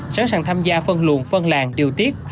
sẵn sàng tham gia phân luồn phân làng điều tiết